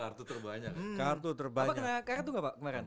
apa kena kartu nggak pak kemarin